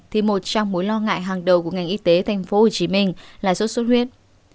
thì một trong mối lo ngại hàng đầu của ngành y tế tp hcm là số suất huyết